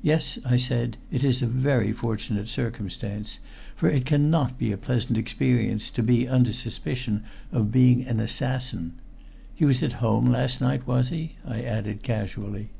"Yes," I said. "It is a very fortunate circumstance, for it cannot be a pleasant experience to be under suspicion of being an assassin. He was at home last night, was he?" I added casually.